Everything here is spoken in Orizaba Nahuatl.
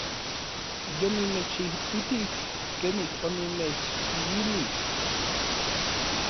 Yonimechititij kenik onimechchiuilij.